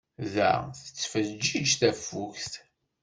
Da, tettfeǧǧiǧ tafukt.